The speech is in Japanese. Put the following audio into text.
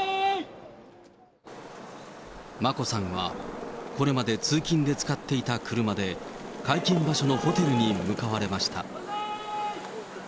眞子さんは、これまで通勤で使っていた車で、会見場所のホテルに向かわれました。